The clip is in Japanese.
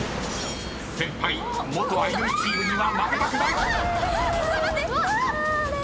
［先輩元アイドルチームには負けたくない！］